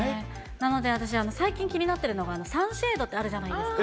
なので私、最近気になってるのが、サンシェードってあるじゃないですか。